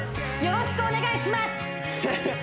よろしくお願いします